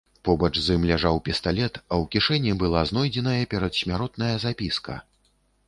Побач з ім ляжаў пісталет, а ў кішэні была знойдзеная перадсмяротная запіска.